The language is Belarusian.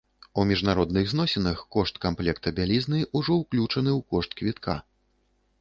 У міжнародных зносінах кошт камплекта бялізны ўжо ўключаны ў кошт квітка.